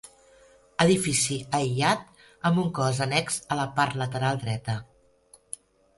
Edifici aïllat amb un cos annex a la part lateral dreta.